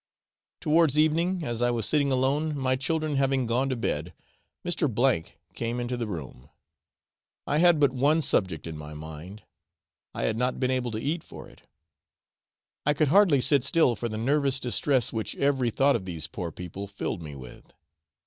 Towards evening, as I was sitting alone, my children having gone to bed, Mr. O came into the room. I had but one subject in my mind; I had not been able to eat for it. I could hardly sit still for the nervous distress which every thought of these poor people filled me with.